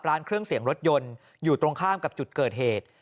เครื่องเสียงรถยนต์อยู่ตรงข้ามกับจุดเกิดเหตุ